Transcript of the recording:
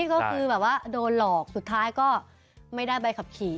ก็คือแบบว่าโดนหลอกสุดท้ายก็ไม่ได้ใบขับขี่